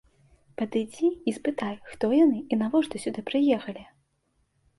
Падыйдзі і спытай, хто яны і навошта сюды прыехалі.